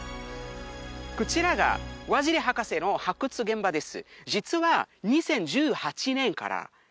こちらがワジリ博士の発掘現場です